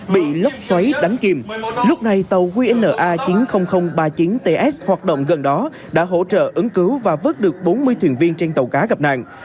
bị lốc xoáy đánh kìm lúc này tàu qna chín mươi nghìn ba mươi chín ts hoạt động gần đó đã hỗ trợ ứng cứu và vớt được bốn mươi thuyền viên trên tàu cá gặp nạn